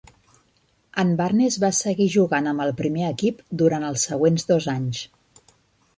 En Barness va seguir jugant amb el primer equip durant els següents dos anys.